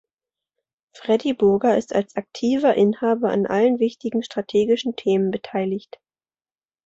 Freddy Burger ist als aktiver Inhaber an allen wichtigen strategischen Themen beteiligt.